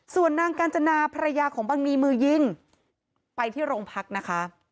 ส่วนนางกาญจนาภรรยาของบังนีมือยิงไปที่โรงพักนะคะ